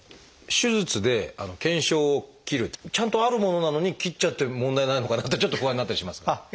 手術で腱鞘を切るちゃんとあるものなのに切っちゃって問題ないのかなってちょっと不安になったりしますが。